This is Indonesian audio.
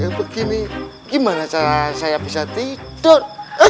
kalau kayak begini gimana cara saya bisa tidur